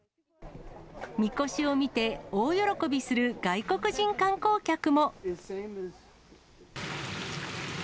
みこしを見て、大喜びする外国人観光客も。